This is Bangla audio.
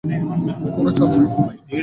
কোনো চাল নেই।